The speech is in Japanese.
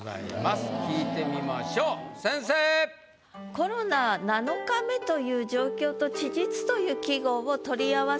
コロナ７日目という状況と「遅日」という季語を取り合わせた